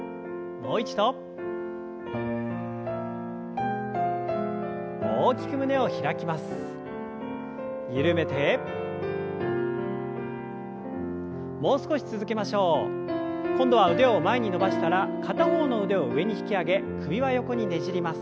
もう少し続けましょう。今度は腕を前に伸ばしたら片方の腕を上に引き上げ首は横にねじります。